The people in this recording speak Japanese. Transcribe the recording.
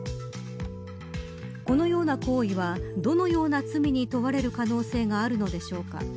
このような行為はどのような罪に問われる可能性があるのでしょうか。